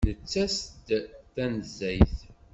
Nettas-d tanezzayt.